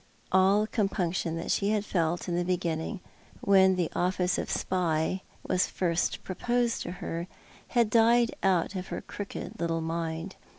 All compunction that she had felt in the beginning, when the office of spy was first proposed to her, had died out of her crooked little mind.